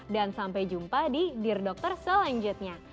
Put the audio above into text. dan sampai jumpa di dear dokter selain jetnya